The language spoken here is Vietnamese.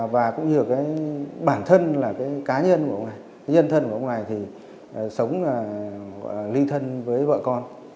và cũng như là bản thân là cá nhân của ông này nhân thân của ông này thì sống liên thân với vợ con